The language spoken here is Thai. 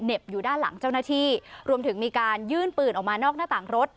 อยู่ด้านหลังเจ้าหน้าที่รวมถึงมีการยื่นปืนออกมานอกหน้าต่างรถ